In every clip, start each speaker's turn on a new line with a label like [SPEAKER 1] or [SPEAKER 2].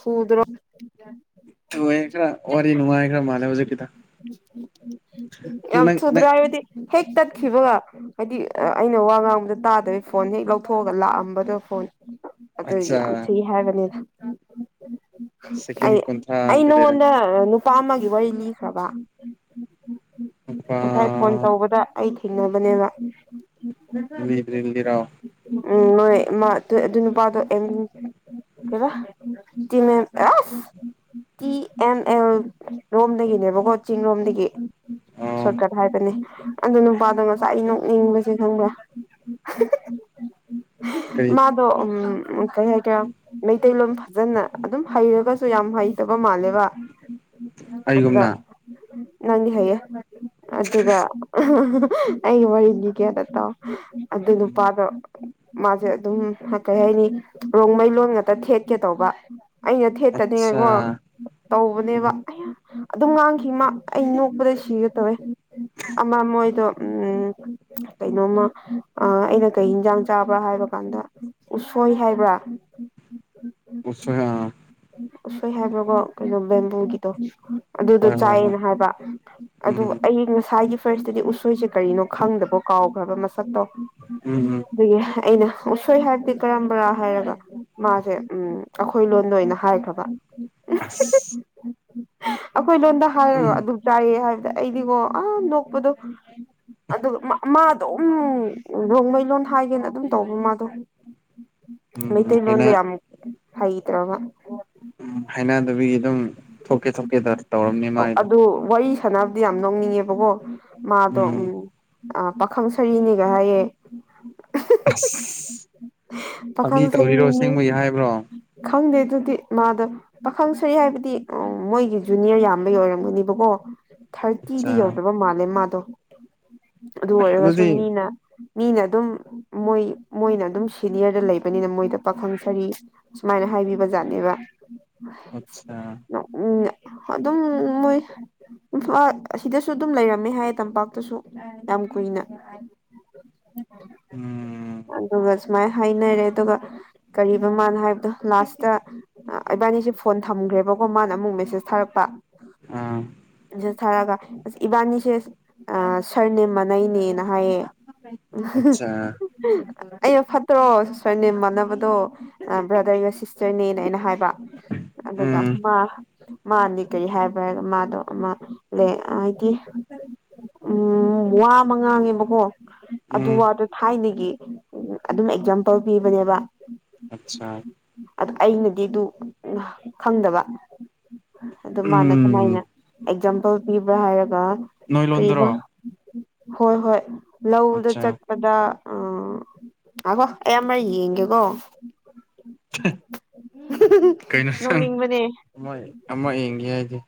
[SPEAKER 1] ꯐꯨꯗ꯭ꯔꯣ
[SPEAKER 2] ꯇꯨꯑꯦ ꯈꯔ ꯋꯥꯔꯤ ꯅꯨꯡꯉꯥꯏꯈꯔ ꯃꯥꯜꯂꯦ ꯍꯧꯖꯤꯛꯀꯤꯗꯣ
[SPEAKER 1] ꯌꯥꯝ
[SPEAKER 2] ꯅꯪ
[SPEAKER 1] ꯊꯨꯗ꯭ꯔꯣ
[SPEAKER 2] ꯅꯪ
[SPEAKER 1] ꯍꯥꯏꯗꯤ ꯍꯦ ꯇ ꯈꯤꯕꯒ ꯍꯥꯏꯗꯤ ꯑ ꯑꯩꯅ ꯋꯥ ꯉꯥꯡꯕꯗ ꯇꯥꯗꯕꯩ ꯐꯣꯟ ꯍꯦꯛ ꯂꯧꯊꯣꯛꯑꯒ ꯂꯥꯛꯑꯝꯕꯗꯣ ꯐꯣꯟ ꯑꯗꯨ
[SPEAKER 2] ꯑꯠꯆꯥ
[SPEAKER 1] ꯌꯥꯝ ꯊꯨꯏ ꯍꯥꯏꯕꯅꯤꯗ
[SPEAKER 2] ꯁꯦꯀꯦꯟ
[SPEAKER 1] ꯑꯩ
[SPEAKER 2] ꯀꯨꯟꯊ꯭ꯔꯥ
[SPEAKER 1] ꯑꯩ
[SPEAKER 2] ꯑꯃꯗꯤ
[SPEAKER 1] ꯅꯉꯣꯟꯗ
[SPEAKER 2] ꯂꯩꯔꯝꯃꯤ
[SPEAKER 1] ꯅꯨꯄꯥ ꯑꯃꯒꯤ ꯋꯥꯔꯤ ꯂꯤꯈ꯭ꯔꯕ
[SPEAKER 2] ꯅꯨꯄꯥ
[SPEAKER 1] ꯉꯁꯥꯏ ꯐꯣꯟ ꯇꯧꯕꯗ ꯑꯩ ꯊꯦꯡꯅꯕꯅꯦꯕ
[SPEAKER 2] ꯂꯤꯗ꯭ꯔꯤ ꯂꯤꯔꯥꯎ
[SPEAKER 1] ꯎꯝ ꯅꯣꯏ ꯑꯃ ꯑꯗꯨ ꯑꯗꯨ ꯅꯨꯄꯥꯗꯣ ꯑꯦꯝ ꯌꯨ ꯀꯦꯕ ꯇꯤꯃꯦꯝ ꯑꯦꯁ ꯇꯤ ꯑꯦꯝ ꯑꯦꯜ ꯔꯣꯝ ꯗꯒꯤꯅꯦ ꯔꯣꯀꯣ ꯆꯤꯡ ꯂꯣꯝꯗꯒꯤ
[SPEAKER 2] ꯑꯣ
[SPEAKER 1] ꯁꯣꯔꯠ ꯀꯠ ꯍꯥꯏꯕꯅꯦ ꯑꯗꯨ ꯅꯨꯄꯥꯗꯣ ꯉꯁꯥꯢ ꯅꯣꯛꯅꯤꯡꯕꯁꯦ ꯈꯪꯕ꯭ꯔ ꯍꯍꯍ
[SPEAKER 2] ꯀꯔꯤ
[SPEAKER 1] ꯃꯥꯗꯣ ꯎꯝ ꯎꯝ ꯀꯩ ꯍꯥꯏꯒꯦꯔꯥ ꯃꯩꯇꯩꯂꯣꯟ ꯐꯖꯅ ꯑꯗꯨꯝ ꯍꯩꯔꯒꯁꯨ ꯌꯥꯝ ꯍꯩꯇꯕ ꯃꯥꯜꯂꯦꯕ ꯎꯝ
[SPEAKER 2] ꯑꯩꯒꯨꯝꯅ
[SPEAKER 1] ꯅꯪꯗꯤ ꯍꯩꯌꯦ ꯑꯗꯨꯒ ꯑꯩꯒꯤ ꯋꯥꯔꯤꯂꯤꯒꯦ ꯑꯝꯇ ꯇꯥꯎ ꯑꯗꯨ
[SPEAKER 2] ꯎꯝ
[SPEAKER 1] ꯅꯨꯄꯥꯗꯣ ꯃꯥꯁꯦ ꯑꯗꯨꯝ ꯀꯩ ꯍꯥꯏꯅꯤ ꯔꯣꯡꯃꯩ ꯂꯣꯟ ꯉꯛꯇ ꯊꯦꯠꯀꯦ ꯇꯧꯕ ꯑꯩꯅ ꯊꯦꯠꯇꯅꯤ
[SPEAKER 2] ꯑꯠꯆꯥ
[SPEAKER 1] ꯍꯥꯏꯕꯣ
[SPEAKER 2] ꯎꯝ
[SPEAKER 1] ꯇꯧꯕꯅꯦꯕ ꯑꯩꯌꯥ ꯑꯗꯨꯝ ꯉꯥꯡꯈꯤ ꯍꯤꯃꯥ ꯑꯩ ꯅꯣꯛꯄꯗ ꯁꯤꯒꯦ ꯇꯧꯑꯦ ꯑꯃ ꯃꯣꯏꯗꯣ ꯎꯝ ꯀꯩꯅꯣꯃ ꯑꯩꯅ ꯀꯩ ꯌꯦꯟꯖꯥꯡ ꯆꯥꯕ꯭ꯔꯥ ꯍꯥꯏꯕ ꯀꯥꯟꯗ ꯎꯁꯣꯏ ꯍꯥꯏꯕ꯭ꯔꯥ
[SPEAKER 2] [unintelligible]
[SPEAKER 1] ꯎꯁꯣꯏ ꯍꯥꯏꯕ꯭ꯔꯕꯣ ꯀꯩꯅꯣ ꯕꯦꯝꯕꯨꯒꯤꯗꯣ ꯑꯗꯨ
[SPEAKER 2] ꯍꯣꯏ ꯍꯣꯏ ꯍꯣꯏ
[SPEAKER 1] ꯆꯥꯏꯑꯦꯅ ꯍꯥꯏꯕ ꯑꯗꯨ
[SPEAKER 2] ꯎꯝ
[SPEAKER 1] ꯑꯩ ꯉꯁꯥꯏꯒꯤ ꯐꯔꯁꯇꯗꯤ ꯎꯁꯣꯏꯁꯦ ꯀꯔꯤꯅꯣ ꯈꯪꯗꯕ ꯀꯥꯎꯈ꯭ꯔꯕ ꯃꯁꯛꯇꯣ
[SPEAKER 2] ꯎꯝ ꯎꯝ
[SPEAKER 1] ꯗꯨꯒꯤ ꯑꯩꯅ ꯎꯁꯣꯏ ꯍꯥꯏꯕꯗꯤ ꯀꯔꯝꯕꯔꯥ ꯍꯥꯏꯔꯒ ꯃꯥꯁꯦ ꯎꯝ ꯑꯩꯈꯣꯏ ꯂꯣꯟꯗ ꯑꯣꯏꯅ ꯍꯥꯏꯈ꯭ꯔꯕ
[SPEAKER 2] ꯑꯁ
[SPEAKER 1] ꯑꯩꯈꯣꯏ ꯂꯣꯟꯗ
[SPEAKER 2] ꯎꯝ
[SPEAKER 1] ꯍꯥꯏꯔꯒ ꯑꯗꯨꯝ ꯆꯥꯏꯌꯦ ꯍꯥꯏꯕꯗ ꯑꯩꯗꯤꯀꯣ ꯑ ꯅꯣꯛꯄꯗꯣ ꯑꯗꯨꯒ ꯃꯥꯗꯨꯝ ꯔꯣꯡꯃꯩꯂꯣꯟꯗ ꯍꯥꯏꯒꯦꯅ ꯑꯗꯨꯝ ꯇꯧꯕ ꯃꯥꯗꯣ
[SPEAKER 2] ꯎꯝ
[SPEAKER 1] ꯃꯩꯇꯩ
[SPEAKER 2] ꯍꯩꯅ
[SPEAKER 1] ꯂꯣꯟꯗ ꯌꯥꯝ ꯍꯩꯇ꯭ꯔꯕ
[SPEAKER 2] ꯎꯝ ꯍꯥꯏꯅꯗꯕꯤ ꯑꯗꯨꯝ ꯊꯣꯛꯀꯦ ꯊꯣꯛꯀꯦ ꯗ ꯇꯧꯔꯝꯃꯦ ꯃꯥꯒꯤꯗꯣ
[SPEAKER 1] ꯑꯗꯨ ꯋꯥꯔꯤ ꯁꯥꯟꯅꯕꯗꯤ ꯌꯥꯝ ꯅꯣꯛꯅꯤꯡꯉꯦꯕꯀꯣ ꯃꯥꯗꯣ ꯎꯝ ꯑ ꯄꯥꯈꯪ ꯁꯔꯤꯅꯤꯒ ꯍꯥꯏꯌꯦ
[SPEAKER 2] ꯑꯁ ꯐꯥꯒꯤ
[SPEAKER 1] ꯄꯥꯈꯪ
[SPEAKER 2] ꯇꯧꯔꯤꯔꯣ
[SPEAKER 1] ꯁꯔꯤꯅꯤ
[SPEAKER 2] ꯑꯁꯦꯡꯕꯒꯤ ꯍꯥꯏꯕ꯭ꯔꯣ
[SPEAKER 1] ꯈꯪꯗꯦ ꯑꯗꯨꯗꯤ ꯃꯥꯗꯣ ꯄꯥꯈꯪ ꯁꯔꯤ ꯍꯥꯏꯕꯗꯤ ꯑꯣ ꯃꯣꯏꯒꯤ ꯖꯨꯅꯤꯌꯔ ꯌꯥꯝꯕꯒꯤ ꯑꯣꯏꯔꯝꯒꯅꯦꯕꯀꯣ ꯊꯥꯔꯇꯤꯗꯤ
[SPEAKER 2] ꯑꯠꯆꯥ
[SPEAKER 1] ꯌꯧꯗꯕ ꯃꯥꯜꯂꯦ ꯃꯥꯗꯣ ꯑꯗꯨ ꯑꯣꯏꯔꯒꯁꯨꯨ
[SPEAKER 2] ꯑꯗꯨꯗꯤ
[SPEAKER 1] ꯃꯤꯅ ꯃꯤꯅ ꯑꯗꯨꯝ ꯃꯣꯏ ꯃꯣꯏꯅ ꯑꯗꯨꯝ ꯁꯤꯅꯤꯌꯔꯗ ꯂꯩꯕꯅꯤꯅ ꯃꯣꯏꯗ ꯄꯥꯈꯪ ꯁꯔꯤ ꯁꯨꯃꯥꯏꯅ ꯍꯥꯏ ꯍꯥꯏꯕꯤꯕꯖꯥꯠꯅꯦꯕ
[SPEAKER 2] ꯑꯠꯆꯥ
[SPEAKER 1] ꯎꯝ ꯑꯗꯨꯝ ꯃꯣꯏ ꯏꯝꯐ ꯑꯁꯤꯗꯁꯨ ꯑꯗꯨꯝ ꯂꯩꯔꯝꯃꯦ ꯍꯥꯏꯌꯦ ꯇꯝꯄꯥꯛꯇꯁꯨ ꯌꯥꯝ ꯀꯨꯏꯅ
[SPEAKER 2] [inaudible] ꯎꯝ
[SPEAKER 1] ꯑꯗꯨꯒ ꯁꯨꯃꯥꯏ ꯍꯥꯏꯅꯔꯦ ꯑꯗꯨꯒ ꯀꯔꯤꯕ ꯃꯥꯅꯣ ꯍꯥꯏꯕꯗꯣ ꯂꯥꯁꯇ ꯏꯕꯥꯅꯤꯁꯦ ꯐꯣꯟ ꯊꯝꯈ꯭ꯔꯦꯕ ꯃꯥꯅ ꯑꯃꯨꯛ ꯃꯦꯁꯦꯁ ꯊꯥꯔꯛꯄ
[SPEAKER 2] ꯑꯥ
[SPEAKER 1] ꯃꯦꯁꯦꯁ ꯊꯥꯔꯒ ꯑꯁ ꯏꯕꯥꯅꯤꯁꯦ ꯁꯔꯅꯦꯝ ꯃꯅꯩꯅꯦꯅ ꯍꯥꯏꯌꯦ ꯑ ꯍꯥꯍꯥ
[SPEAKER 2] ꯑꯆꯥ
[SPEAKER 1] ꯑꯩꯩꯅ ꯐꯠꯇ꯭ꯔꯣ ꯁꯔꯅꯦꯝ ꯃꯥꯟꯅꯕꯗꯣ ꯕ꯭ꯔꯗꯔꯒ ꯁꯤꯁꯇꯔꯅꯦ ꯑꯩꯅ ꯍꯥꯏꯕ ꯑꯗꯨꯒ
[SPEAKER 2] ꯎꯝ
[SPEAKER 1] ꯃꯥ ꯃꯥꯗꯤ ꯀꯔꯤ ꯍꯥꯏꯕ꯭ꯔꯥ ꯍꯥꯏꯔꯒ ꯃꯥꯗꯣ ꯑꯃ ꯂꯩ ꯍꯥꯏꯗꯤ ꯎꯝ ꯋꯥ ꯑꯃ ꯉꯥꯡꯉꯦꯕꯀꯣ ꯑꯗꯨ
[SPEAKER 2] ꯎꯝ
[SPEAKER 1] ꯋꯥꯗꯣ ꯊꯥꯏꯅꯒꯤ ꯑꯗꯨꯝ ꯑꯦꯛꯖꯥꯝꯄꯜ ꯄꯤꯕꯅꯦꯕ
[SPEAKER 2] ꯑꯠꯁꯥ
[SPEAKER 1] ꯑꯗꯨ ꯑꯩꯅꯗꯤ ꯑꯗꯨ ꯈꯪꯗꯕ ꯑꯗꯨ ꯃꯥꯅ
[SPEAKER 2] ꯎꯝ
[SPEAKER 1] ꯀꯃꯥꯏꯅ ꯑꯦꯛꯖꯥꯝꯄꯜ ꯄꯤꯕ꯭ꯔꯥ ꯍꯥꯏꯔꯒ
[SPEAKER 2] ꯅꯣꯏ
[SPEAKER 1] ꯀꯔꯤꯕ
[SPEAKER 2] ꯂꯣꯟꯗꯔꯣ
[SPEAKER 1] ꯍꯣꯏ ꯍꯣꯏ ꯂꯧꯗ
[SPEAKER 2] ꯑꯠꯆꯥ
[SPEAKER 1] ꯆꯠꯄꯗ ꯑꯣ ꯉꯥꯏꯈꯣ ꯑꯩ ꯑꯃꯔꯛ ꯌꯦꯡꯒꯦꯀꯣ ꯅꯣꯡꯅꯤꯡꯕꯅꯦ
[SPEAKER 2] ꯃꯣꯢ ꯑꯃ ꯌꯦꯡꯒꯦ ꯍꯥꯏꯗꯦ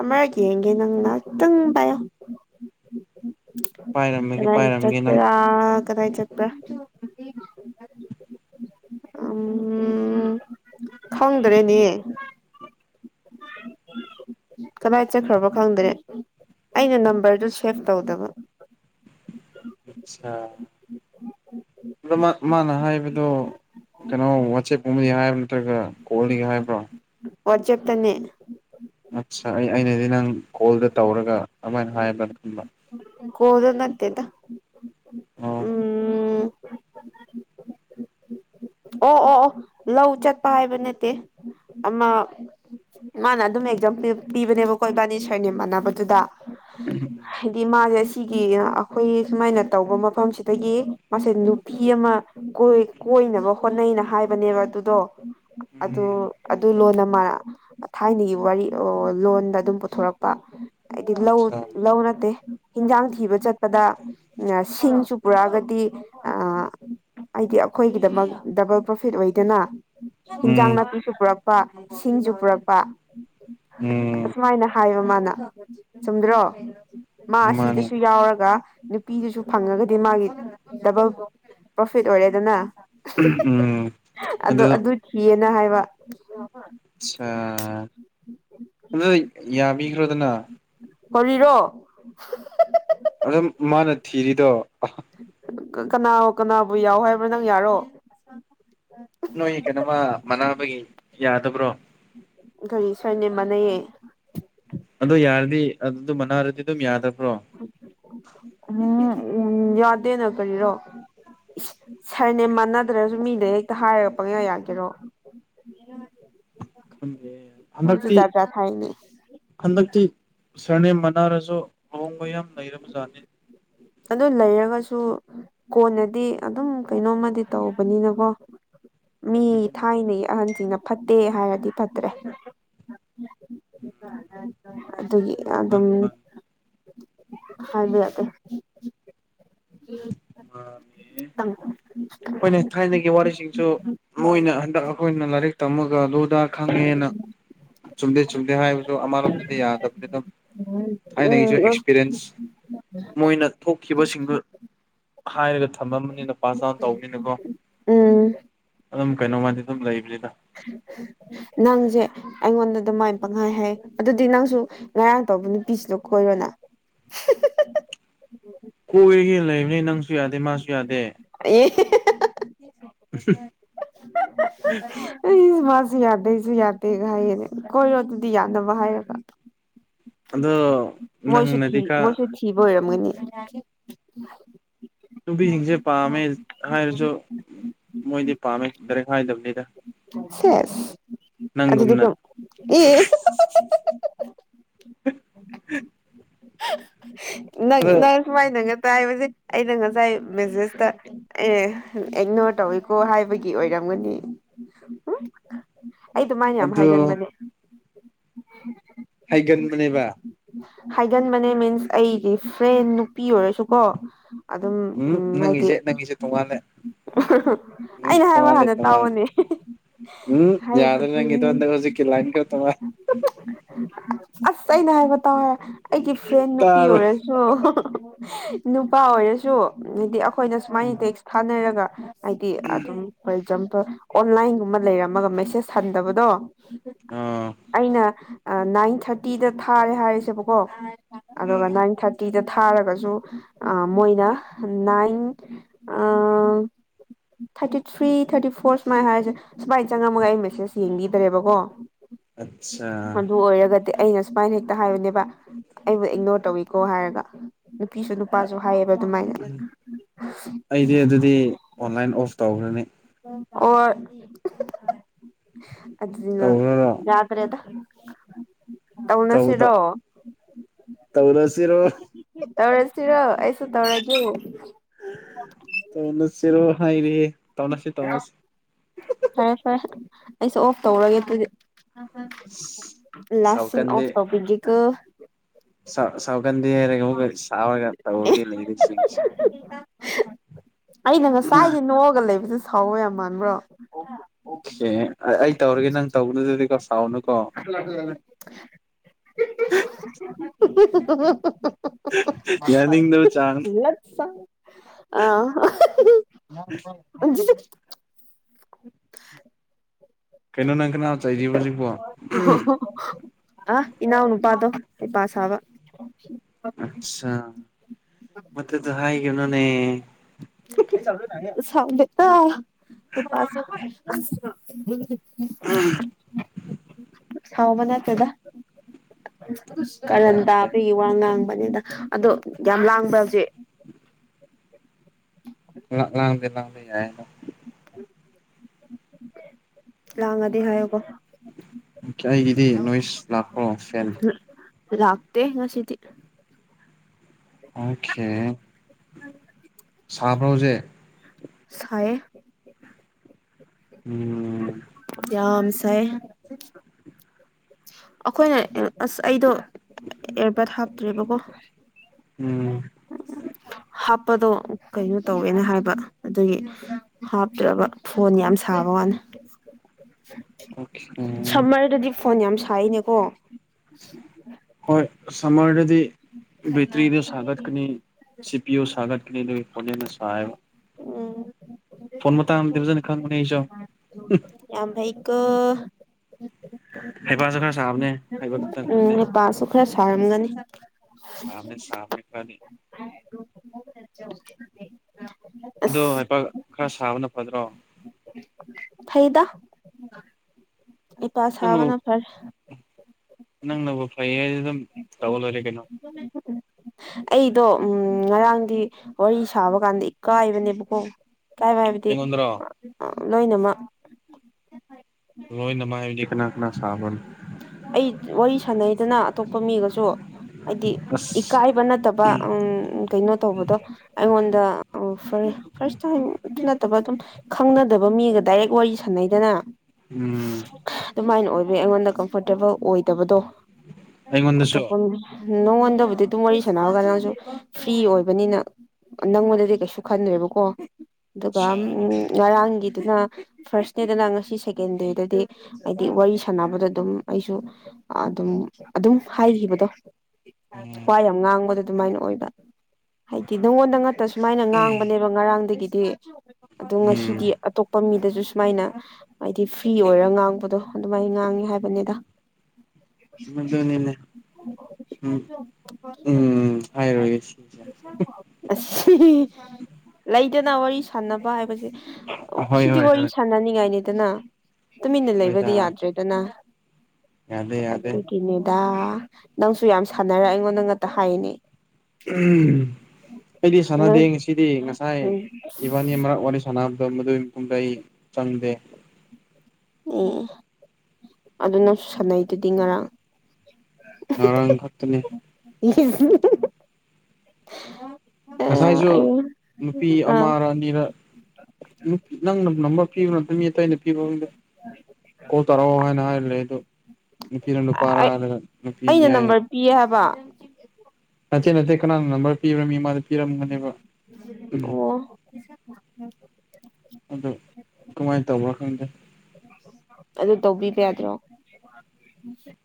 [SPEAKER 1] ꯑꯃꯒ ꯌꯦꯡꯒꯦ ꯅꯪ ꯉꯥꯇꯪ ꯄꯥꯏꯌꯣ
[SPEAKER 2] ꯄꯥꯏꯔꯝꯃꯒꯦ
[SPEAKER 1] ꯀꯅꯥꯏ
[SPEAKER 2] ꯄꯥꯏꯔꯝꯒꯦ ꯅꯪ
[SPEAKER 1] ꯆꯠꯄ꯭ꯔ ꯀꯗꯤꯏ ꯆꯠꯄ꯭ꯔꯥ
[SPEAKER 2] [inaudible]
[SPEAKER 1] ꯎꯝ ꯈꯪꯗ꯭ꯔꯗꯤ
[SPEAKER 2] [inaudible]
[SPEAKER 1] ꯀꯗꯥꯏ ꯆꯠꯈ꯭ꯔꯕ ꯈꯪꯗꯔꯦ ꯑꯩꯅ ꯅꯝꯕꯔꯗꯨ ꯁꯦꯚ ꯇꯧꯗꯕ
[SPEAKER 2] ꯑꯁꯥ ꯑꯗꯣ ꯃꯥ ꯃꯥꯅ ꯍꯥꯏꯕꯗꯣ ꯀꯩꯅꯣ ꯋꯥꯆꯦꯞꯒꯨꯝꯕꯩ ꯍꯥꯏꯕ ꯅꯠꯇ꯭ꯔꯒ ꯀꯣꯜꯗꯒꯤ ꯍꯥꯏꯕ꯭ꯔꯥ
[SPEAKER 1] ꯋꯥꯠꯆꯦꯞꯇꯅꯦ
[SPEAKER 2] ꯑꯠꯁꯥ ꯑꯩ ꯑꯩꯅꯗꯤ ꯅꯪ ꯀꯣꯜꯗ ꯇꯧꯔꯒ ꯑꯃꯥꯏꯅ ꯍꯥꯏꯕ꯭ꯔꯅ ꯈꯟꯕ
[SPEAKER 1] ꯀꯣꯜꯗ ꯅꯠꯇꯦꯗꯥ
[SPEAKER 2] ꯑꯣ
[SPEAKER 1] ꯎꯝ ꯑꯣ ꯑꯣ ꯑꯣ ꯂꯧ ꯆꯠꯄ ꯍꯥꯏꯕ ꯅꯠꯇꯦ ꯑꯃꯥ ꯃꯥꯅ ꯑꯗꯨꯝ ꯑꯦꯛꯖꯥꯝꯄꯜ ꯄꯤꯕꯅꯦꯕꯀꯣ ꯏꯕꯥꯅꯤ ꯁꯔꯅꯦꯝ ꯃꯥꯟꯅꯕꯗꯨꯗꯥ ꯍꯥꯏꯗꯤ ꯃꯥꯖꯦ ꯆꯤꯒꯤ ꯑꯈꯣꯏꯒꯤ ꯁꯨꯃꯥꯏꯅ ꯇꯧꯕ ꯃꯐꯝꯁꯤꯗꯒꯤ ꯃꯥꯁꯦ ꯅꯨꯄꯤ ꯑꯃ ꯀꯣꯏ ꯀꯣꯏꯅꯕ ꯍꯣꯠꯅꯩꯅ ꯍꯥꯏꯕꯅꯦꯕ ꯑꯗꯨꯗꯣ
[SPEAKER 2] ꯎꯝ
[SPEAKER 1] ꯑꯗꯣ ꯑꯗꯨ ꯂꯣꯟꯅ ꯃꯥꯅ ꯊꯥꯏꯅꯒꯤ ꯋꯥꯔꯤ ꯑꯣ ꯂꯣꯟꯗ ꯑꯗꯨꯝ ꯄꯨꯊꯣꯔꯛꯄ ꯑꯩꯗꯤ ꯂꯧ
[SPEAKER 2] ꯑꯆꯥ
[SPEAKER 1] ꯂꯧ ꯅꯠꯇꯦ ꯍꯤꯟꯖꯥꯡ ꯊꯤꯕ ꯆꯠꯄꯗꯥ ꯑ ꯁꯤꯡꯁꯨ ꯄꯨꯔꯛꯑꯒꯗꯤ ꯑꯥ ꯑꯩꯗꯤ ꯑꯈꯣꯏꯒꯤꯗꯃꯛ ꯗꯕꯜ ꯄ꯭ꯔꯣꯐꯤꯠ ꯑꯣꯏꯗꯅꯥ ꯏꯟꯖꯥꯡ
[SPEAKER 2] ꯎꯝ
[SPEAKER 1] ꯅꯥꯄꯤꯁꯨ ꯄꯨꯔꯛꯄ ꯁꯤꯡꯖꯨ ꯄꯨꯔꯛꯄꯥ
[SPEAKER 2] ꯎꯝ
[SPEAKER 1] ꯑꯁꯨꯃꯥꯏꯅ ꯍꯥꯏꯕ ꯃꯥꯅ ꯆꯨꯝꯗ꯭ꯔꯣ ꯃꯥ
[SPEAKER 2] ꯃꯥꯅꯦ
[SPEAKER 1] ꯑꯁꯤꯗꯁꯨ ꯌꯥꯎꯔꯒ ꯅꯨꯄꯤꯗꯨꯁꯨ ꯐꯪꯉꯒꯗꯤ ꯃꯥꯒꯤ ꯗꯕꯜ ꯄ꯭ꯔꯣꯐꯤꯠ ꯑꯣꯏꯔꯦ ꯗꯅꯥ
[SPEAKER 2] ꯎꯝ ꯎꯝ ꯑꯗꯨ
[SPEAKER 1] ꯅ ꯍꯥꯏꯕ
[SPEAKER 2] ꯑꯁꯥ ꯑꯗꯨ ꯌꯥꯕꯤꯈ꯭ꯔꯣꯗꯅꯥ
[SPEAKER 1] ꯀꯔꯤꯔꯣ ꯍ ꯍ
[SPEAKER 2] ꯑꯗꯨꯝ ꯃꯥꯅ ꯊꯤꯔꯤꯗꯣ
[SPEAKER 1] ꯀꯅꯥ ꯀꯅꯥꯕꯨ ꯌꯥꯎ ꯍꯥꯏꯕ꯭ꯔ ꯅꯪ ꯌꯥꯔꯣ
[SPEAKER 2] ꯅꯣꯏ ꯀꯩꯅꯣꯃ ꯃꯅꯥꯕꯒꯤ ꯌꯥꯗꯕ꯭ꯔꯣ
[SPEAKER 1] ꯒꯔꯤ ꯁꯔ ꯅꯦꯝ ꯃꯥꯟꯅꯩꯌꯦ
[SPEAKER 2] ꯗꯤ ꯑꯗꯨꯗꯣ ꯃꯥꯟꯅꯔꯗꯤ ꯑꯗꯨꯝ ꯌꯥꯗ
[SPEAKER 1] ꯎꯝ ꯎꯝ ꯌꯥꯗꯦꯅꯥ ꯀꯔꯤꯔꯣ ꯏꯁ ꯁꯔꯅꯦꯝ ꯃꯥꯟꯅꯗ꯭ꯔꯖꯨ ꯃꯤꯗ ꯍꯦꯛꯇ ꯍꯥꯏꯔꯒ ꯄꯪꯌꯥ ꯌꯥꯒꯦꯔꯣ [inaudible]
[SPEAKER 2] ꯈꯪꯗꯦꯌꯦ
[SPEAKER 1] ꯅꯪꯁꯨ
[SPEAKER 2] ꯍꯟꯗꯛꯇꯤ
[SPEAKER 1] ꯖꯥꯠ ꯖꯥꯠ ꯍꯥꯏꯅꯦ
[SPEAKER 2] ꯍꯟꯗꯛꯇꯤ ꯁꯔꯅꯦꯝ ꯃꯥꯟꯅꯔꯖꯨ ꯑꯍꯣꯡꯕ ꯌꯥꯝ ꯂꯩꯔꯕ ꯖꯥꯠꯅꯤ
[SPEAKER 1] ꯑꯗꯨ ꯂꯩꯔꯒꯁꯨ ꯀꯣꯟꯅꯗꯤ ꯑꯗꯨꯝ ꯀꯩꯅꯣꯃꯗꯤ ꯇꯧꯕꯅꯤꯅꯀꯣ ꯃꯤ ꯊꯥꯏꯅꯒꯤ ꯑꯍꯟ ꯖꯤꯡꯅ ꯐꯠꯇꯦ ꯍꯥꯏꯔꯗꯤ ꯐꯠꯇ꯭ꯔꯦ ꯑꯗꯨꯒꯤ ꯑꯗꯨꯝ
[SPEAKER 2] ꯃꯥꯅꯤ ꯃꯥꯅꯤ
[SPEAKER 1] ꯍꯥꯏꯕ ꯌꯥꯗꯦ [inaudible]
[SPEAKER 2] ꯑ
[SPEAKER 1] ꯈꯤꯇꯪ
[SPEAKER 2] ꯍꯣꯏꯅꯦ ꯊꯥꯏꯅꯒꯤ ꯋꯥꯔꯤꯁꯤꯡꯁꯨ ꯃꯣꯏꯅ ꯍꯟꯗꯛ ꯑꯈꯣꯏꯅ ꯂꯥꯔꯤꯛ ꯇꯝꯃꯒꯥ ꯂꯣꯜ ꯗꯥ ꯈꯪꯉꯦꯅ ꯆꯨꯝꯗꯦ ꯆꯨꯝꯗꯦ ꯍꯥꯏꯕꯗꯨ ꯑꯝꯃꯥꯔꯣꯝꯗꯗꯤ ꯌꯥꯗꯕꯅꯤ ꯊꯥꯏꯅꯒꯤꯁꯨ
[SPEAKER 1] ꯎꯝ
[SPEAKER 2] ꯑꯦꯛꯁꯄꯤꯔꯤꯔꯦꯟꯁ ꯃꯣꯏꯅ ꯊꯣꯛꯈꯤꯕꯁꯤꯡꯗꯨ ꯍꯥꯏꯔꯒ ꯊꯝꯃꯝꯕꯅꯤꯅ ꯄꯥꯁ ꯑꯥꯎꯠ ꯇꯧꯕꯅꯤꯅꯀꯣ
[SPEAKER 1] ꯎꯝ
[SPEAKER 2] ꯑꯗꯨꯝ ꯀꯩꯅꯣꯃꯗꯤ ꯑꯗꯨꯝ ꯂꯩꯕꯅꯤ
[SPEAKER 1] ꯅꯪꯁꯦ ꯑꯩꯉꯣꯟꯗ ꯑꯗꯨꯃꯥꯏꯅ ꯄꯪꯍꯥꯏ ꯍꯥꯏ ꯑꯗꯨꯗꯤ ꯅꯪꯁꯨ ꯉꯔꯥꯡ ꯇꯧꯕ ꯅꯨꯄꯤꯁꯤꯗꯣ ꯀꯣꯏꯔꯣꯅ
[SPEAKER 2] ꯀꯣꯏꯒꯦ ꯂꯩꯕꯅꯤ ꯅꯪꯁꯨ ꯌꯥꯗꯦ ꯃꯥꯁꯨ ꯌꯥꯗꯦ
[SPEAKER 1] ꯑꯦ ꯍ ꯍ ꯍ ꯁꯨ ꯌꯥꯗꯦꯁꯨ ꯌꯥꯗꯦꯒ ꯍꯥꯏꯌꯦꯅꯦ ꯀꯣꯏꯔꯣ ꯑꯗꯨꯗꯤ ꯌꯥꯅꯕ ꯍꯥꯏꯔꯒ
[SPEAKER 2] ꯑꯗꯣ
[SPEAKER 1] ꯃꯣꯏꯁꯨ ꯊꯤ
[SPEAKER 2] ꯅꯪꯅꯗꯤ ꯈꯔ
[SPEAKER 1] ꯃꯣꯏꯁꯨ ꯊꯤꯕ ꯑꯣꯏꯔꯝꯒꯅꯤ
[SPEAKER 2] ꯅꯨꯄꯤꯁꯤꯡꯁꯦ ꯄꯥꯝꯃꯦ ꯍꯥꯏꯔꯁꯨ ꯃꯣꯏꯗꯤ ꯄꯥꯝꯃꯦ ꯗꯥꯏꯔꯦꯛ ꯍꯥꯏꯗꯕꯅꯤꯗ
[SPEAKER 1] ꯁꯦꯁ ꯑꯗꯨꯗꯤ
[SPEAKER 2] ꯅꯪꯒꯨꯝꯅ
[SPEAKER 1] ꯀꯝ ꯑꯦ ꯑꯦ ꯅꯪ
[SPEAKER 2] ꯑꯗꯣ
[SPEAKER 1] ꯅꯪ ꯁꯨꯃꯥꯏ ꯅꯒ ꯇꯥꯏꯕꯁꯦ ꯑꯩꯅ ꯉꯁꯥꯏ ꯃꯦꯖꯦꯁꯇ ꯑꯦꯛꯅꯣꯔ ꯇꯧꯏꯀꯣ ꯍꯥꯏꯕꯒꯤ ꯑꯣꯏꯔꯝꯒꯅꯤ ꯑꯩ ꯗꯨꯃꯥꯏꯅ ꯌꯥꯝ
[SPEAKER 2] ꯑꯗꯨ
[SPEAKER 1] ꯍꯥꯏꯒꯟꯕꯅꯦ
[SPEAKER 2] ꯍꯩꯒꯟꯕꯅꯦꯕ
[SPEAKER 1] ꯍꯥꯏꯒꯟꯕꯅꯦ ꯃꯤꯟꯁ ꯑꯩꯒꯤ ꯐ꯭ꯔꯦꯟ ꯅꯨꯄꯤ ꯑꯣꯏꯔꯁꯨꯀꯣ ꯑꯗꯨꯝ ꯎꯝ ꯍꯥꯏꯗꯤ
[SPEAKER 2] ꯅꯪꯒꯤꯁꯦ ꯅꯪꯒꯤꯁꯦ ꯇꯣꯡꯉꯥꯜꯂꯦ ꯎꯝ
[SPEAKER 1] ꯑꯩꯅ ꯍꯥꯏꯕ
[SPEAKER 2] ꯇꯣꯡꯉꯥꯜꯂꯦ
[SPEAKER 1] ꯍꯥꯟꯅ
[SPEAKER 2] ꯇꯣꯡꯉꯥꯜꯂꯦ
[SPEAKER 1] ꯇꯥꯎꯑꯣꯅꯦ
[SPEAKER 2] ꯎꯝ ꯌꯥꯗ꯭ꯔꯦ
[SPEAKER 1] ꯍꯥꯏꯕꯗꯤ
[SPEAKER 2] ꯅꯪꯒꯤꯗꯣ ꯍꯟꯗꯛ ꯍꯧꯖꯤꯛꯀꯤ ꯂꯥꯏꯟ ꯈꯔ ꯇꯣꯡꯉꯥꯜ
[SPEAKER 1] ꯑꯁ ꯑꯩꯅ ꯍꯥꯏꯕ ꯇꯧ ꯍꯥꯢꯔ ꯑꯩꯒꯤ ꯐ꯭ꯔꯦꯟ ꯅꯨꯄꯤ
[SPEAKER 2] ꯇꯥꯔꯣꯏ
[SPEAKER 1] ꯑꯣꯏꯔꯁꯨ ꯅꯨꯄꯥ ꯑꯣꯏꯔꯁꯨ ꯍꯥꯏꯗꯤ ꯑꯩꯈꯣꯏꯅ ꯁꯨꯃꯥꯏꯅ ꯇꯦꯛꯁ ꯊꯥꯅꯔꯒ ꯍꯥꯏꯗꯤ ꯑꯗꯨꯝ ꯐꯣꯔ ꯑꯦꯛꯖꯥꯝꯄꯜ ꯑꯣꯟꯂꯥꯏꯟꯒꯨꯝꯕ ꯂꯩꯔꯝꯃꯒ ꯃꯦꯁꯦꯁ ꯍꯟꯗꯕꯗꯣ
[SPEAKER 2] ꯑꯣ
[SPEAKER 1] ꯑꯩꯅ ꯅꯥꯏꯟ ꯊꯥꯔꯇꯤꯗ ꯊꯥꯔꯦ ꯍꯥꯏꯔꯁꯦꯕꯀꯣ
[SPEAKER 2] ꯎꯝ
[SPEAKER 1] ꯑꯗꯨꯒ ꯅꯥꯏꯟ ꯊꯥꯔꯇꯤꯗ ꯊꯥꯔꯒꯁꯨ ꯑ ꯃꯣꯏꯅ ꯅꯥꯏꯟ ꯑ ꯊꯥꯔꯇꯤ ꯊ꯭ꯔꯤ ꯊꯥꯔꯇꯤ ꯐꯣꯔ ꯁꯨꯃꯥꯏꯅ ꯍꯥꯏꯔꯁꯦ ꯁꯨꯃꯥꯏꯅ ꯆꯪꯉꯝꯃꯒ ꯑꯩ ꯃꯦꯁꯦꯁ ꯌꯦꯡꯕꯤꯗ꯭ꯔꯦꯕꯀꯣ
[SPEAKER 2] ꯑꯠꯁꯥ
[SPEAKER 1] ꯑꯗꯨ ꯑꯣꯏꯔꯒꯗꯤ ꯑꯩꯅ ꯁꯨꯃꯥꯏꯅ ꯍꯦꯛꯇ ꯍꯥꯏꯕꯅꯦꯕ ꯑꯩꯕꯨ ꯏꯛꯅꯣꯔ ꯇꯧꯋꯤꯀꯣ ꯍꯥꯏꯔꯒ ꯅꯨꯄꯤꯁꯨ ꯅꯨꯄꯥꯁꯨ ꯍꯥꯏꯌꯦꯕ ꯑꯗꯨꯃꯥꯏꯅ
[SPEAKER 2] ꯑꯩꯗꯤ ꯑꯗꯨꯗꯤ ꯑꯣꯟꯂꯥꯏꯟ ꯑꯣꯐ ꯇꯧꯈ꯭ꯔꯅꯤ
[SPEAKER 1] ꯑꯣ ꯑꯗꯨꯗꯤ ꯅꯪ
[SPEAKER 2] ꯇꯧꯈ꯭ꯔꯔꯣ
[SPEAKER 1] ꯌꯥꯗ꯭ꯔꯦꯗ [inaudible]
[SPEAKER 2] ꯇꯧ ꯇꯧ
[SPEAKER 1] ꯇꯧꯅꯁꯤꯔꯣ
[SPEAKER 2] ꯇꯧꯔꯁꯤꯔꯣ
[SPEAKER 1] ꯇꯧꯔꯁꯤꯔꯣ ꯑꯩꯁꯨ ꯇꯧꯔꯒꯦ
[SPEAKER 2] ꯇꯧꯅꯁꯤꯔꯣ ꯍꯥꯏꯔꯦ ꯇꯧꯅꯁꯤ ꯇꯧꯅꯁꯤ
[SPEAKER 1] ꯐꯔꯦ ꯐꯔꯦ ꯑꯩꯁꯨ ꯑꯣꯐ ꯇꯧꯔꯒꯦ ꯑꯗꯨꯗꯤ ꯂꯥꯁ ꯁꯤꯟ ꯑꯣꯐ ꯇꯕꯤꯒꯦꯀꯣ
[SPEAKER 2] ꯁꯥꯎ ꯁꯥꯎꯒꯟꯗꯦ ꯍꯥꯏꯔꯒ ꯑꯃꯨꯛꯀ ꯁꯥꯎꯔꯒ ꯇꯧꯔꯤꯌꯦ ꯂꯩꯔꯤꯁꯤꯡꯁꯤ
[SPEAKER 1] ꯑꯩꯅ ꯉꯁꯥꯏꯗꯩ ꯅꯣꯛꯑꯒ ꯂꯩꯕꯗꯣ ꯁꯥꯎꯕ ꯌꯥꯝ ꯃꯥꯟꯕ꯭ꯔꯣ
[SPEAKER 2] ꯑꯣꯈꯦ ꯑꯩ ꯇꯧꯔꯒꯦ ꯅꯪ ꯇꯧꯒꯅꯨ ꯗꯨꯗꯤꯀꯣ ꯁꯥꯎꯅꯣ
[SPEAKER 1] [inaudible]
[SPEAKER 2] ꯌꯥꯅꯤꯡꯗꯕ ꯆꯥꯡ
[SPEAKER 1] ꯑ [inaudible]
[SPEAKER 2] ꯀꯩꯅꯣ ꯅꯪ ꯀꯅꯥ ꯆꯩꯔꯤꯕ ꯍꯧꯖꯤꯛꯄꯣ
[SPEAKER 1] ꯑ ꯏꯅꯥꯎ ꯅꯨꯄꯥꯗꯣ ꯍꯩꯄꯥ ꯁꯥꯕ
[SPEAKER 2] ꯑꯠꯆꯥꯥ ꯃꯇꯨꯗꯣ ꯍꯥꯏꯒꯅꯨꯅꯦ
[SPEAKER 1] ꯁꯥꯎꯗꯦꯇ ꯁꯥꯎꯕ ꯅꯠꯇꯦꯗ ꯀꯔꯟ
[SPEAKER 2] ꯌꯥꯏ ꯌꯥꯏ
[SPEAKER 1] ꯇꯥꯕꯒꯤ ꯋꯥꯉꯥꯡ ꯕꯅꯤꯗ ꯑꯗꯣ ꯌꯥꯝ ꯂꯥꯡꯕ꯭ꯔ ꯍꯧꯖꯤꯛ
[SPEAKER 2] ꯉ ꯉꯥꯡꯗꯦ ꯂꯥꯡꯗꯦ ꯌꯥꯏꯌꯦ ꯑꯗꯨꯝ
[SPEAKER 1] ꯂꯥꯡꯉꯗꯤ ꯍꯥꯏꯌꯣꯀꯣ
[SPEAKER 2] ꯑꯩꯒꯤꯗꯤ ꯅꯣꯏꯁ ꯂꯥꯛꯄ꯭ꯔꯣ ꯐꯦꯟ
[SPEAKER 1] ꯂꯥꯛꯇꯦ ꯉꯁꯤꯗꯤ
[SPEAKER 2] ꯑꯣꯀꯦ ꯍꯧꯖꯦ
[SPEAKER 1] ꯁꯥꯏꯌꯦ
[SPEAKER 2] ꯎꯝ
[SPEAKER 1] ꯌꯥꯝ ꯁꯥꯏꯌꯦ ꯑꯈꯣꯏꯅ ꯑ ꯑꯁ ꯑꯩꯗꯣ ꯑꯦ ꯑꯦꯌꯥꯔꯕꯠ ꯍꯥꯞꯇ꯭ꯔꯦꯕꯀꯣ
[SPEAKER 2] ꯎꯝ
[SPEAKER 1] ꯄꯗꯣ ꯀꯩꯅꯣ ꯇꯧꯋꯦꯅ ꯍꯥꯏꯕ ꯑꯗꯨꯒꯤ ꯍꯥꯞꯇ꯭ꯔꯕ ꯐꯣꯟ ꯌꯥꯝ ꯁꯥꯕ ꯋꯥꯅꯦ
[SPEAKER 2] [inaudible] ꯑꯣꯀꯦ
[SPEAKER 1] ꯁꯝꯃꯔꯗꯗꯤ ꯐꯣꯟ ꯌꯥꯝ ꯁꯥꯏꯅꯦꯀꯣ
[SPEAKER 2] ꯍꯣꯏ ꯁꯝꯃꯔꯗꯗꯤ ꯕꯦꯇ꯭ꯔꯤꯗꯣ ꯁꯥꯒꯠꯀꯅꯤ ꯁꯤ ꯄꯤ ꯑꯣ ꯁꯥꯒꯠꯀꯅꯤ ꯑꯗꯨꯒꯤ ꯐꯣꯟ ꯍꯦꯟꯅ ꯁꯤꯏꯌꯦꯕ
[SPEAKER 1] ꯎꯝ
[SPEAKER 2] ꯐꯣꯟ ꯃꯇꯥꯡꯗꯗꯤ ꯐꯖꯅ ꯈꯪꯕꯅꯦ ꯑꯩꯖꯨ
[SPEAKER 1] ꯌꯥꯝ ꯐꯩꯀꯣ
[SPEAKER 2] ꯍꯩꯄꯥ ꯁ ꯈꯔ ꯁꯥꯕꯅꯦ ꯍꯩꯕ ꯈꯛꯇ
[SPEAKER 1] ꯎꯝ
[SPEAKER 2] ꯅꯠꯇꯕꯅꯦ
[SPEAKER 1] ꯍꯩꯄꯥꯁꯨ ꯈꯔ ꯁꯥꯔꯝꯒꯅꯤ
[SPEAKER 2] ꯁꯥꯕꯅꯦ ꯁꯥꯕꯅꯦ ꯈꯔꯗꯤ ꯑꯗꯣ
[SPEAKER 1] ꯑꯁ
[SPEAKER 2] ꯍꯩꯄꯥ ꯈꯔ ꯁꯥꯕꯅ ꯐꯗ꯭ꯔꯣ
[SPEAKER 1] ꯐꯩꯗꯥ ꯍꯩꯄꯥ
[SPEAKER 2] ꯅꯪꯅ
[SPEAKER 1] ꯁꯥꯕꯅ ꯐꯔꯦ
[SPEAKER 2] ꯅꯪꯅꯕꯨ ꯐꯩ ꯍꯥꯏꯗꯤ ꯗꯨꯝ ꯇꯧ ꯂꯣꯏꯔꯦ ꯀꯩꯅꯣ
[SPEAKER 1] ꯑꯩꯗꯣ ꯎꯝ ꯉꯔꯥꯡꯗꯤ ꯋꯥꯔꯤ ꯁꯥꯕ ꯀꯥꯟꯗ ꯏꯀꯥꯏꯕꯅꯦꯕꯀꯣ ꯏꯀꯥꯏꯕ ꯍꯥꯏꯕꯗꯤ
[SPEAKER 2] ꯑꯩꯉꯣꯟꯗꯔꯣ
[SPEAKER 1] ꯂꯣꯏꯅꯃꯛ
[SPEAKER 2] ꯂꯣꯏꯅꯃꯛ ꯍꯥꯏꯕꯗꯤ ꯀꯅꯥ ꯀꯅꯥ ꯁꯥꯕ꯭ꯔꯥ
[SPEAKER 1] ꯑꯩ ꯋꯥꯔꯤ ꯁꯥꯟꯅꯩꯗꯅꯥ ꯑꯇꯣꯞꯄ ꯃꯤꯒꯁꯨ ꯍꯥꯏꯗꯤ
[SPEAKER 2] ꯑꯁ
[SPEAKER 1] ꯏꯀꯥꯏꯕ ꯅꯠꯇꯕ ꯎꯝ ꯀꯩꯅꯣ ꯇꯧꯕꯗꯣ ꯑꯩꯉꯣꯟꯗ ꯑꯣ ꯐꯔꯦ ꯐꯥꯔꯁ ꯇꯥꯏꯝ ꯗꯤ ꯅꯠꯇꯕ ꯑꯗꯨꯝ ꯈꯪꯅꯗꯕ ꯃꯤꯒ ꯗꯥꯏꯔꯦꯛ ꯋꯥꯔꯤ ꯁꯥꯟꯅꯩꯗꯅꯥ
[SPEAKER 2] ꯎꯝ
[SPEAKER 1] ꯑꯗꯨꯃꯥꯏꯅ ꯑꯣꯏꯕꯩ ꯑꯩꯉꯣꯟꯗ ꯀꯝꯐꯣꯔꯇꯦꯕꯜ ꯑꯣꯏꯗꯕꯗꯣ
[SPEAKER 2] ꯑꯩꯉꯣꯟꯗꯁꯨ
[SPEAKER 1] ꯑꯇꯣꯞꯄ ꯅꯉꯣꯟꯗꯕꯨꯗꯤ ꯑꯗꯨꯝ ꯋꯥꯔꯤ ꯁꯥꯟꯅꯔꯒ ꯅꯪꯖꯨ ꯐ꯭ꯔꯤ ꯑꯣꯏꯕꯅꯤꯅ ꯅꯪꯉꯣꯟꯗꯗꯤ ꯀꯩꯁꯨ ꯈꯟꯗ꯭ꯔꯦꯕꯀꯣ ꯑꯗꯨꯒ
[SPEAKER 2] ꯑꯠꯁꯥ
[SPEAKER 1] ꯎꯝ ꯉꯔꯥꯡꯒꯤ ꯗꯨꯅ ꯐꯥꯔꯁ ꯗꯦꯗꯅꯥ ꯉꯁꯤ ꯁꯦꯀꯦꯟ ꯗꯦꯗꯗꯤ ꯍꯥꯏꯗꯤ ꯋꯥꯔꯤ ꯁꯥꯟꯅꯕꯗꯣ ꯑꯗꯨꯝ ꯑꯩꯁꯨ ꯑꯗꯨꯝ ꯑꯗꯨꯝ ꯍꯥꯏꯈꯤꯕꯗꯣ ꯋꯥ
[SPEAKER 2] ꯎꯝ
[SPEAKER 1] ꯌꯥꯝ ꯉꯥꯡꯕꯗꯣ ꯗꯨꯃꯥꯏꯅ ꯑꯣꯏꯕ ꯍꯥꯏꯗꯤ ꯅꯉꯣꯟꯗ ꯉꯠꯇ ꯁꯨꯃꯥꯏꯅ ꯉꯥꯡꯕꯅꯦꯕ ꯉꯔꯥꯡꯗꯒꯤꯗꯤ ꯑꯗꯣ
[SPEAKER 2] ꯎꯝ
[SPEAKER 1] ꯉꯁꯤꯗꯤ ꯑꯇꯣꯞꯄ ꯃꯤꯗꯖꯨ ꯁꯨꯃꯥꯏꯅ ꯍꯥꯏꯗꯤ ꯐ꯭ꯔꯤ ꯑꯣꯏꯔ ꯉꯥꯡꯕꯗꯣ ꯑꯗꯨꯃꯥꯏꯅ ꯉꯥꯡꯉꯤ ꯍꯥꯏꯕꯅꯤꯗ
[SPEAKER 2] ꯃꯗꯨꯅꯤꯅꯦ ꯎꯝ ꯎꯝ ꯍꯥꯏꯔꯣꯏꯒꯦ ꯁꯤꯖꯦ
[SPEAKER 1] ꯂꯩꯗꯅꯥ ꯋꯥꯔꯤ ꯁꯥꯟꯅꯕ ꯍꯥꯏꯕꯖꯦ
[SPEAKER 2] ꯍꯣꯏ
[SPEAKER 1] ꯑꯁꯤꯗꯤ
[SPEAKER 2] ꯍꯣꯏ
[SPEAKER 1] ꯋꯥꯔꯤ
[SPEAKER 2] ꯍꯣꯏ
[SPEAKER 1] ꯁꯥꯟꯅꯅꯤꯡꯉꯥꯏꯅꯤꯗꯅꯥ ꯇꯨꯃꯤꯟꯅ
[SPEAKER 2] ꯍꯣꯏꯗ
[SPEAKER 1] ꯂꯩꯕꯗꯤ ꯌꯥꯗ꯭ꯔꯦꯗꯅꯥ
[SPEAKER 2] ꯌꯥꯗꯦ ꯌꯥꯗꯦ
[SPEAKER 1] ꯑꯗꯨꯒꯤꯅꯦꯗꯥ ꯅꯪꯁꯨ ꯌꯥꯝ ꯁꯥꯟꯅꯔ ꯑꯩꯉꯣꯟꯗꯪ ꯉꯥꯇ ꯍꯥꯏꯌꯦꯅꯦ
[SPEAKER 2] ꯎꯝ ꯑꯩꯗꯤ ꯁꯥꯟꯅꯗꯦ
[SPEAKER 1] ꯅꯪ
[SPEAKER 2] ꯉꯁꯤꯗꯤ ꯉꯁꯥꯏ
[SPEAKER 1] ꯎꯝ
[SPEAKER 2] ꯏꯕꯥꯅꯤ ꯃꯔꯛ ꯋꯥꯔꯤ ꯁꯥꯟꯅꯕꯗꯣ ꯃꯗꯨꯏ ꯃꯇꯨꯡꯗ ꯑꯩ ꯆꯪꯗꯦ
[SPEAKER 1] ꯎꯝ ꯑꯗꯨ ꯅꯪꯁꯨ ꯁꯥꯟꯅꯩꯗꯨꯗꯤ ꯉꯔꯥꯡ
[SPEAKER 2] ꯉꯔꯥꯡ ꯈꯛꯇꯅꯦ
[SPEAKER 1] [inaudible]
[SPEAKER 2] ꯉꯁꯥꯏꯁꯨ
[SPEAKER 1] ꯑꯩ
[SPEAKER 2] ꯅꯨꯄꯤ
[SPEAKER 1] ꯑꯥ
[SPEAKER 2] ꯑꯃꯔ ꯑꯅꯤꯔ ꯑꯞ ꯅꯪꯅ ꯅꯝꯕ ꯄꯤꯕ꯭ꯔꯥ ꯃꯤ ꯑꯇꯩꯅ ꯄꯤꯕ꯭ꯔꯥ ꯈꯪꯗꯦ ꯀꯣꯜ ꯇꯧꯔꯛꯑꯣ ꯍꯥꯏꯅ ꯍꯥꯏꯔ ꯂꯩ ꯑꯗꯣ
[SPEAKER 1] [inaudible]
[SPEAKER 2] ꯅꯨꯄꯤꯔ ꯅꯨꯄꯥꯔ
[SPEAKER 1] ꯑ-ꯑ-ꯑꯩ
[SPEAKER 2] ꯍꯥꯏꯔꯒ ꯅꯨꯄꯤꯅꯤ
[SPEAKER 1] ꯑꯩꯅ
[SPEAKER 2] ꯍꯥꯏꯌꯦ
[SPEAKER 1] ꯅꯝꯕꯔ ꯄꯤꯌꯦ ꯍꯥꯏꯕ
[SPEAKER 2] ꯅꯠꯇꯦ ꯅꯠꯇꯦ ꯀꯅꯥꯅ ꯅꯝꯕꯔ ꯄꯤꯕ꯭ꯔꯥ ꯃꯤ ꯑꯃꯥ ꯄꯤꯔꯝꯒꯅꯦꯕ ꯎꯝ
[SPEAKER 1] ꯑꯣ
[SPEAKER 2] ꯑꯗꯣ ꯀꯃꯥꯏ ꯇꯧꯕ꯭ꯔꯥ ꯈꯪꯗꯦ
[SPEAKER 1] ꯑꯗꯨ [unintelligible]